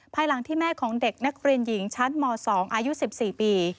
ภายหลังที่แม่ของเด็กนักเรียนหญิงชั้นม๒อายุ๑๔ปี